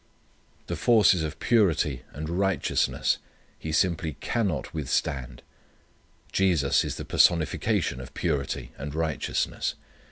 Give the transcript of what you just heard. The forces of purity and righteousness he simply _can_not withstand. Jesus is the personification of purity and righteousness.